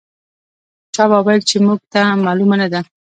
چا به ویل چې موږ ته معلومه نه ده.